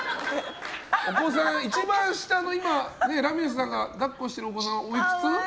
お子さん、一番下の今、ラミレスさんが抱っこしているお子さんはおいくつ？